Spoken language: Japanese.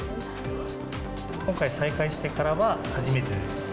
今回再開してからは初めてです。